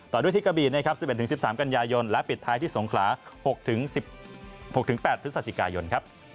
ต่อด้วยที่กะบี๑๑๑๓กันยายนและปิดท้ายที่สงขลา๖๘พฤศจิกายน